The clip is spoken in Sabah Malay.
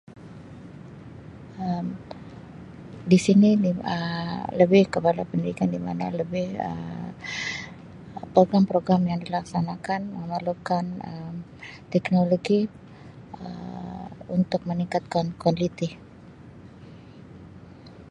Um Di sini Um lebih kepada penarikan di mana lebih Um program-program yang dilaksanakan memerlukan Um teknologi Um untuk meningkatkan kualiti.